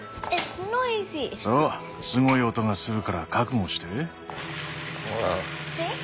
そうすごい音がするから覚悟して。